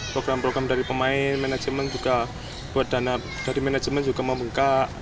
program program dari pemain manajemen juga buat dana dari manajemen juga membuka